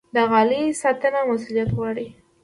د غالۍ ساتنه مسوولیت غواړي.